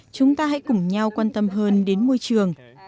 chúng ta hãy cùng nhau quan tâm hơn đến môi trường